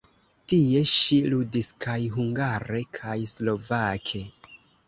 Tie ŝi ludis kaj hungare kaj slovake.